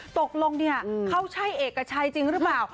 ตกลงเนี่ยเขาใช่เอกชัยจริงหรือเปล่า